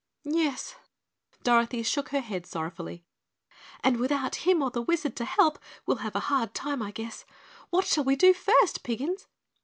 "Yes," Dorothy shook her head sorrowfully, "and without him or the Wizard to help we'll have a hard time, I guess. What shall we do first, Piggins?"